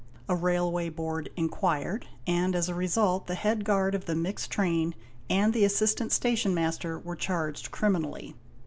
A Railway Board inquired, and as a result the head guard of the mixed train and the assistant station master were charged criminally.